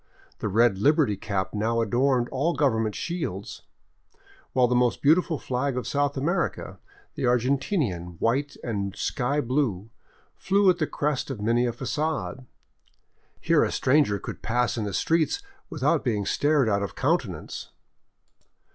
The red liberty cap now adorned all government shields, while the most beautiful flag of South America, the Argentinian white and sky blue, flew at the crest of many a fagade. Here a stranger could pass in the streets without being stared out of countenance.